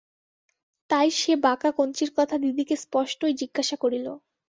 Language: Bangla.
তাই সে বাঁকা-কঞ্চির কথা দিদিকে স্পষ্টই জিজ্ঞাসা করিল।